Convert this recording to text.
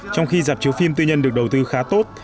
trong khi dạp chiếu phim tư nhân được đầu tư khá tốt